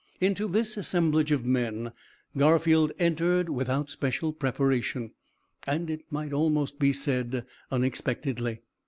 Into this assemblage of men Garfield entered without special preparation, and, it might almost be said, unexpectedly.